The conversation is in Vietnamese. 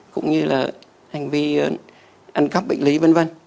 cũng như là hành vi ăn cắp bệnh lý v v